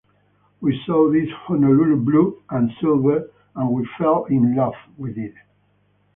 We saw this Honolulu blue and silver and we fell in love with it.